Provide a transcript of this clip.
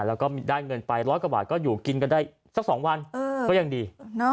แล้วก็ได้เงินไปร้อยกว่าบาทก็อยู่กินกันได้สัก๒วันก็ยังดี